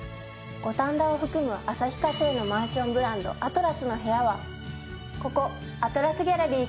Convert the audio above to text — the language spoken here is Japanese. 五反田を含む旭化成のマンションブランドアトラスの部屋はここアトラスギャラリー